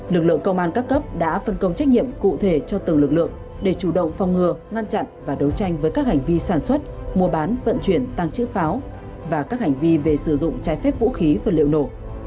lực lượng công an các cấp đã phân công trách nhiệm cụ thể cho từng lực lượng để chủ động phòng ngừa ngăn chặn và đấu tranh với các hành vi sản xuất mua bán vận chuyển tăng chữ pháo và các hành vi về sử dụng trái phép vũ khí vật liệu nổ